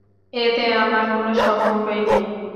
এতে আমার কোনো সম্পর্কই নেই।